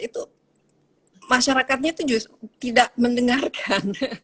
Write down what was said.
itu masyarakatnya itu justru tidak mendengarkan